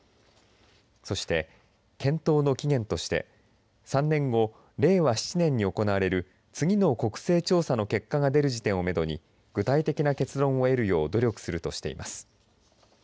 そして検討の期限として３年後、令和７年に行われる次の国勢調査の結果が出る時点をめどに具体的な結論を得るよう努力するとしています。